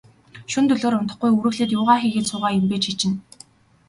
Шөнө дөлөөр унтахгүй, үүрэглээд юугаа хийгээд суугаа юм бэ, чи чинь.